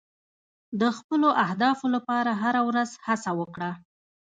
د خپلو اهدافو لپاره هره ورځ هڅه وکړه.